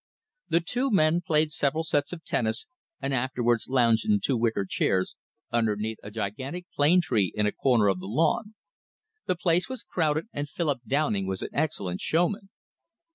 The two men played several sets of tennis and afterwards lounged in two wicker chairs, underneath a gigantic plane tree in a corner of the lawn. The place was crowded, and Philip Downing was an excellent showman.